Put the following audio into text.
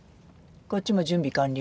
こっちも準備完了。